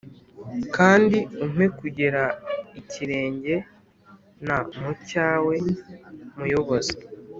Kandi umpe kugera ikirenge nmucyawe muyobozi